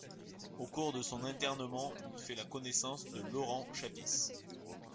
Au cours de son internement, il fait la connaissance de Laurent Chappis.